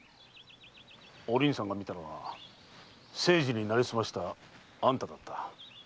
お凛さんが見たのは清次に成りすましたあんただった。